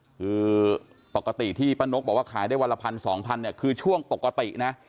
คือปกติที่ป้านกบอกว่าขายได้วันละพันสองพันเนี่ยคือช่วงปกตินะ